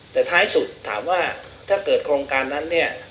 แต่ท้ายสุดถามว่าถ้าเกิดโครงการนั้นเนี่ย